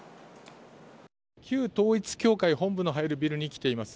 旧統一教会本部の入るビルに来ています。